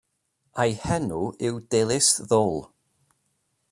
A'i henw yw Dilys Ddwl.